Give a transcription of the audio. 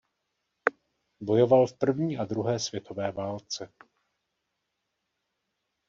Bojoval v první a druhé světové válce.